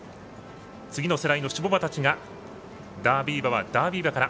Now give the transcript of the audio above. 次の世代の種牡馬たちが「ダービー馬はダービー馬から」。